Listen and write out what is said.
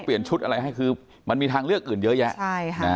เปลี่ยนชุดอะไรให้คือมันมีทางเลือกอื่นเยอะแยะใช่ค่ะ